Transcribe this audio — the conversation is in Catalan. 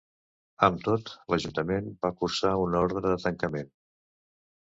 Amb tot, l'Ajuntament va cursar una ordre de tancament.